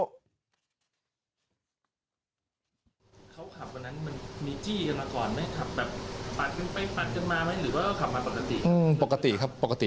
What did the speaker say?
ใช่คุณผู้ชมคุณผู้ชมคุณผู้ชมคุณผู้ชมคุณผู้ชม